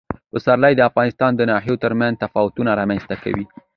پسرلی د افغانستان د ناحیو ترمنځ تفاوتونه رامنځ ته کوي.